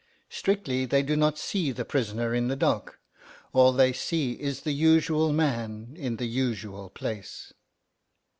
Strictly they do not see the prisoner in the dock; all they see is the usual man in the usual place.